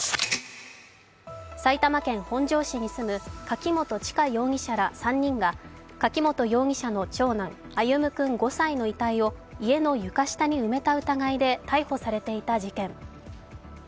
埼玉県越谷市に住む柿本知香容疑者ら３人が柿本容疑者の長男・歩夢君５歳の遺体を家の床下に埋めた疑いで逮捕されていた事件。